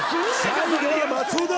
最後は松尾だ！